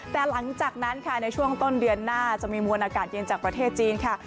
แต่หลังจากนั้นค่ะในช่วงต้นเดือนหน้าจะมีมวลอากาศเย็นจากประเทศจีนค่ะ